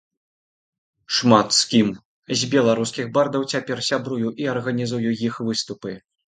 Шмат з кім з беларускіх бардаў цяпер сябрую і арганізую іх выступы.